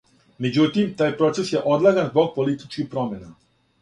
Међутим, тај процес је одлаган због политичких промена.